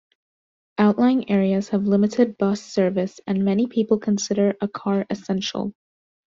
Outlying areas have limited bus service, and many people consider a car essential.